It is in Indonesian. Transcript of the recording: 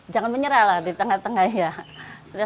jangan menyerah lah di tengah tengah ya